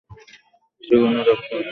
সে কোনো ডাক্তার না।